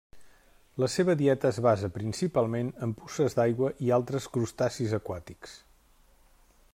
La seva dieta es basa principalment en puces d'aigua i altres crustacis aquàtics.